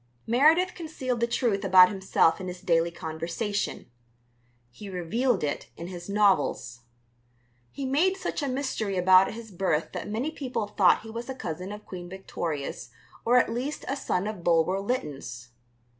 Meredith concealed the truth about himself in his daily conversation; he revealed it in his novels. He made such a mystery about his birth that many people thought he was a cousin of Queen Victoria's or at least a son of Bulwer Lytton's.